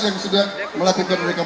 yang sedang melakukan rekomendasi data